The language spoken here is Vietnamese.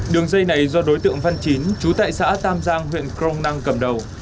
đường dây này do đối tượng văn chín chú tại xã tam giang huyện cờ rông năng cầm đầu